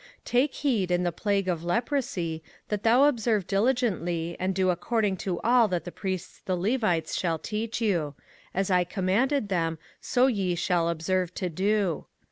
05:024:008 Take heed in the plague of leprosy, that thou observe diligently, and do according to all that the priests the Levites shall teach you: as I commanded them, so ye shall observe to do.